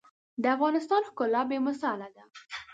د افغانستان ښکلا بې مثاله ده.